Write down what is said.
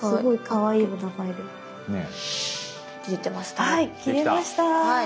はい切れました。